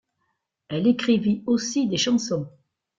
Elle écrivit aussi des chansons.